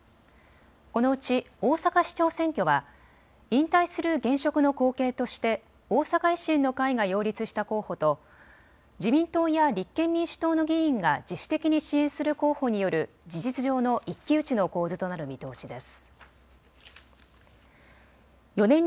このうち大阪市長選挙は引退する現職の後継として大阪維新の会が擁立した候補と自民党や立憲民主党の議員が自主的に支援する候補による事実上の一騎打ちの構図となる見通しです。